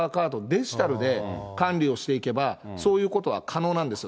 デジタルで管理をしていけば、そういうことは可能なんですよ。